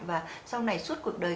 và sau này suốt cuộc đời